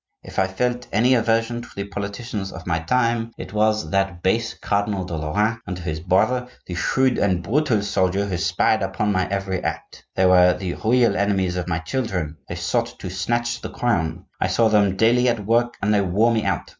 If I felt any aversion to the politicians of my time, it was to that base Cardinal de Lorraine, and to his brother the shrewd and brutal soldier who spied upon my every act. They were the real enemies of my children; they sought to snatch the crown; I saw them daily at work and they wore me out.